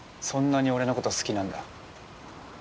そんなに俺のこと好きなんだ。